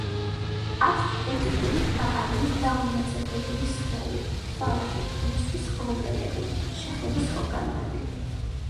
აქვთ კუტიკულით დაფარული, დაუნაწევრებელი სხეული, თვალაკი, ყნოსვის ღრმულები, შეხების ორგანოები.